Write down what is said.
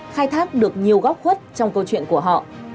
khai thác được nhiều góc khuất trong câu chuyện của họ